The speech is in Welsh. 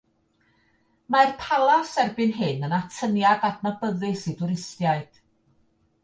Mae'r palas erbyn hyn yn atyniad adnabyddus i dwristiaid.